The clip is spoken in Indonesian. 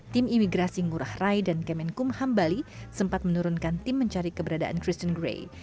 tim imigrasi ngurah rai dan kemenkumham bali sempat menurunkan tim mencari keberadaan kristen gray